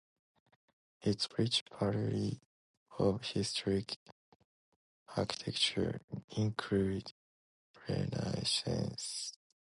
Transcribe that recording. Its rich variety of historic architecture includes Renaissance, Baroque and Gothic buildings.